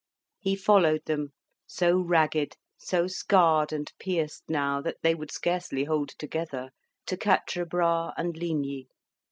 He followed them so ragged, so scarred and pierced now, that they would scarcely hold together to Quatre Bras and Ligny.